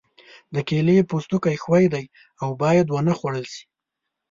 د کیلې پوستکی ښوی دی او باید ونه خوړل شي.